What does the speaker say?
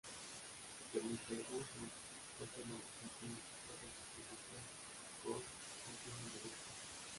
Se permite uso, copia, modificación o redistribución con o sin fines de lucro.